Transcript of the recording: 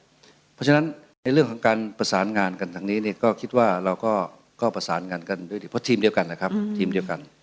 เพราะฉะนั้นในเรื่องของการประสานงานกันทางนี้เนี่ยก็คิดว่าเราก็ประสานงานกันด้วยดีเพราะทีมเดียวกันนะครับทีมเดียวกัน